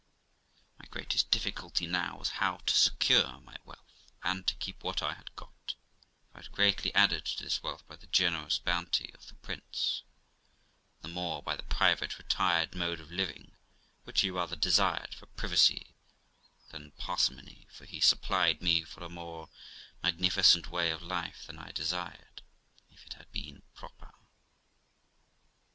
My greatest difficulty now was how to secure my wealth and to keep what I had got; for I had greatly added to this wealth by the generous bounty of the Prince , and the more by the private, retired mode of living, which he rather desired for privacy than parsimony ; for he supplied me for a more magnificent way of life than I desired, if it had been proper.